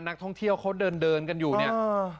นักท่องเที่ยวเขาเดินเดินกันอยู่เนี่ย